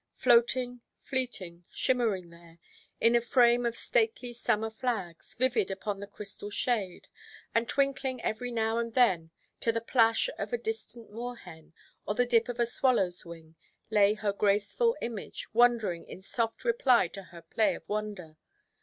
Floating, fleeting, shimmering there, in a frame of stately summer flags, vivid upon the crystal shade, and twinkling every now and then to the plash of a distant moorhen, or the dip of a swallowʼs wing, lay her graceful image, wondering in soft reply to her play of wonder.